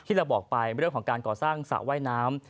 ที่เราบอกไปเป็นเรื่องของก่อสร้างสะว่ายน้ำ